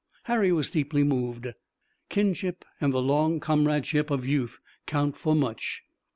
Harry was deeply moved. Kinship and the long comradeship of youth count for much.